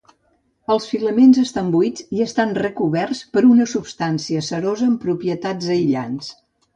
Els filaments estan buits i estan recoberts per una substància cerosa amb propietats aïllants.